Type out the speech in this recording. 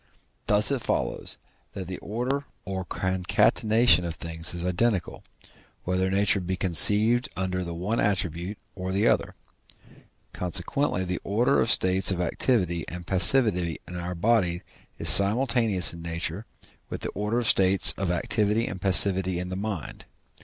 Thus it follows that the order or concatenation of things is identical, whether nature be conceived under the one attribute or the other; consequently the order of states of activity and passivity in our body is simultaneous in nature with the order of states of activity and passivity in the mind.